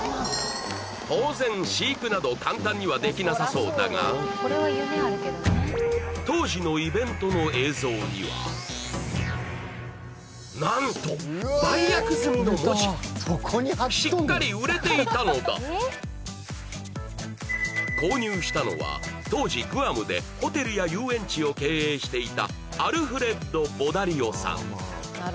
当然飼育など簡単にはできなさそうだが何と売約済みの文字しっかり売れていたのだ購入したのは当時グアムでホテルや遊園地を経営していたアルフレッド・ボダリオさん